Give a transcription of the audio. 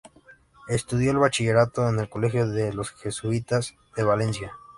Estudió el bachillerato en el Colegio de los Jesuitas de Valencia.